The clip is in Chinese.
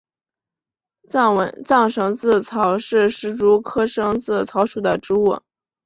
藏蝇子草是石竹科蝇子草属的植物。